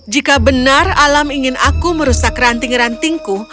jika benar alam ingin aku merusak ranting rantingku